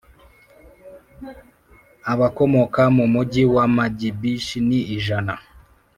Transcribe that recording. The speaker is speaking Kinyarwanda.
Abakomoka mu mugi wa Magibishi ni ijana